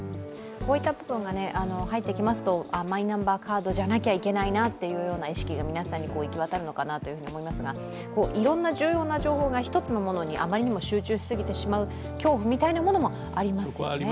こういった部分が入ってきますとマイナンバーカードじゃないといけないなという意識が皆さんに行き渡るのかなと思いますがいろんな重要な情報が一つのものにあまりにも集中してしまう恐怖みたいなものもありますよね。